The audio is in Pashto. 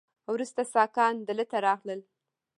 وروسته ساکان دلته راغلل